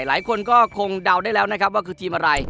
หลายคนก็คงเดาได้แล้วนะครับว่าคือทีมอะไร